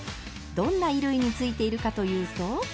どんな衣類についているかというと。